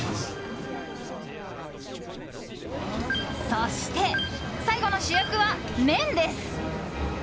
そして、最後の主役は麺です。